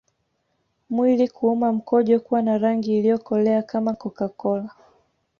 Mwili kuuma mkojo kuwa na rangi iliyokolea kama CocaCola